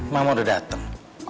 mama udah dateng